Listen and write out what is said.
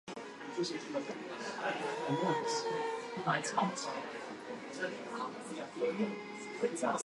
To rule a society and control the behavior of its members - Govern.